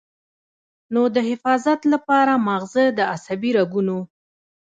نو د حفاظت له پاره مازغۀ د عصبي رګونو